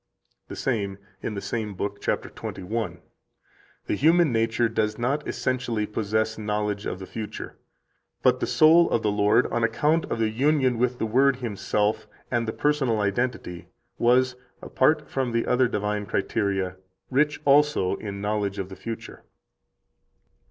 99 The same, in the same book, cap. 21: "The human nature does not essentially possess knowledge of the future; but the soul of the Lord, on account of the union with the Word Himself and the personal identity, was, apart from the other divine criteria, rich also in knowledge of the future."